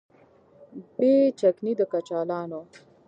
بې چکنۍ د کچالانو